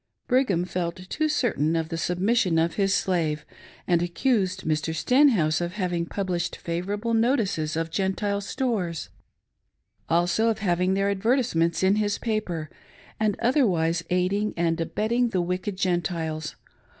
Brigham felt too cerfain of the sub mission of his slave, and accused Mr. Stenhouse ot havmg published favorable notices of Gentile, stores, also of having "THE SUBJUGATION OF WOMEN." 55 1 their advertisements in his paper, and otherwise ; aiding and abetting the wicked Gentiles.